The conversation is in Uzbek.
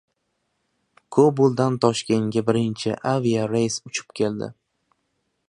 Kobuldan Toshkentga birinchi aviareys uchib keldi